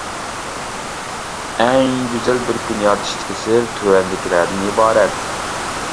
ئەڭ گۈزەل بىر كۈن يارىتىشتىكى سىر تۆۋەندىكىلەردىن ئىبارەت.